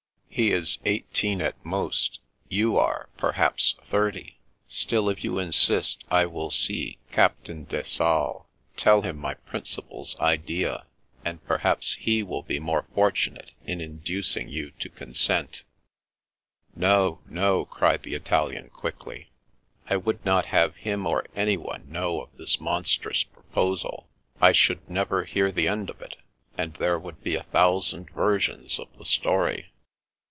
" He is eighteen at most You are — ^perhaps thirty. Still, if you insist, I will see Captain de Sales, tell him my principal's idea, and perhaps he will be more fortunate in inducing you to con sent "" No, no," cried the Italian quickly. " I would not have him or anyone know of this monstrous proposal. I should never hear the end of it, and there would be a thousand versions of the story."